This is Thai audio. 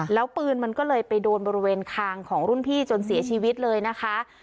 แล้วปืนมันก็เลยไปโดนบริเวณคางของรุ่นพี่จนเสียชีวิตเลยนะคะ